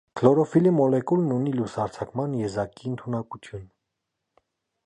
Քլորոֆիլի մոլեկուլն ունի լուսարձակման եզակի ընդունակություն։